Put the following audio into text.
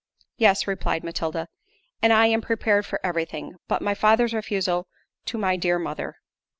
"Yes," replied Matilda, "and I am prepared for every thing, but my father's refusal to my dear mother."